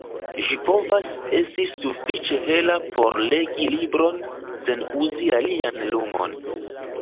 Ĝi povas esti sufiĉe hela por legi libron sen uzi alian lumon.